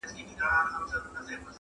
بوډا ویل په دې قلا کي به سازونه کېدل!